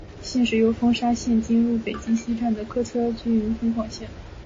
现时由丰沙线进入北京西站的客车均经丰广线。